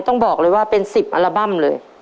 ต้องบอกเลยว่าเป็น๑๐อัลบั้มเลย